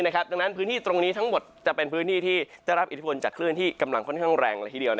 ดังนั้นพื้นที่ตรงนี้ทั้งหมดจะเป็นพื้นที่ที่ได้รับอิทธิพลจากคลื่นที่กำลังค่อนข้างแรงละทีเดียว